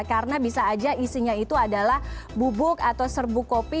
karena bisa aja isinya itu adalah bubuk atau serbuk kopi